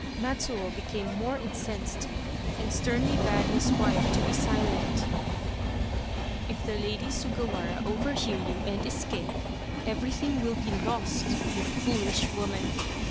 Matsuo became more incensed, and sternly bade his wife be silent. " If the Lady Sugawara overhear you and escape, everything will be lost, you foolish woman